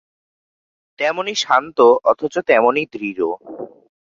তেমনি শান্ত অথচ তেমনি দৃঢ়।